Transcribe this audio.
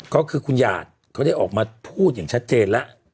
ก็คือคุณหยาดเขาได้ออกมาพูดอย่างชัดเจนแล้ว